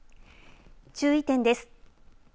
注意点です。